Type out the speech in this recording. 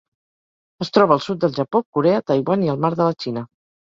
Es troba al sud del Japó, Corea, Taiwan i el Mar de la Xina.